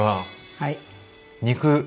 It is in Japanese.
はい。